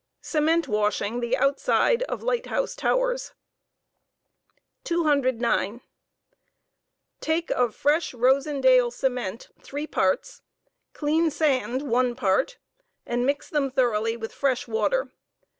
< CEMENT WASHING THE OUTSIDE OF LIGHT HOUSE TO WEBS. . 200. Take of fresh Rosendale cement three parts, clean sand one part, and mix them thoroughly with fresh water.